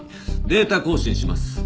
データ更新します。